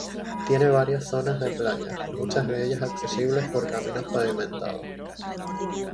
Tiene varias zonas de playas, muchas de ellas accesibles por caminos pavimentados.